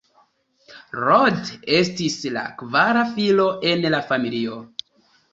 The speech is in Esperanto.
Roald estis la kvara filo en la familio.